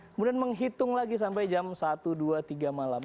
kemudian menghitung lagi sampai jam satu dua tiga malam